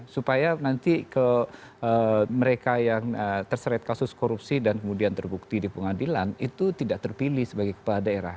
supaya nanti ke mereka yang terseret kasus korupsi dan kemudian terbukti di pengadilan itu tidak terpilih sebagai kepala daerah